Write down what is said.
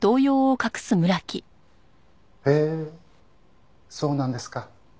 へえそうなんですか。